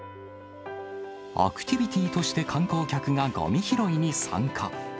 アクティビティとして観光客がごみ拾いに参加。